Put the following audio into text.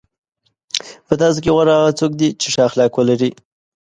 په تاسو کې غوره هغه څوک دی چې ښه اخلاق ولري.